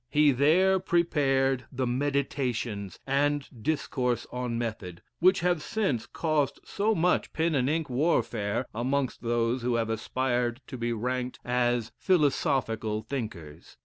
He there prepared the "Meditations," and "Discourse on Method," which have since caused so much pen and ink warfare amongst those who have aspired to be ranked as philosophical thinkers.